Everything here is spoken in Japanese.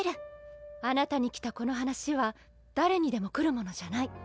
あなたに来たこの話は誰にでも来るものじゃない。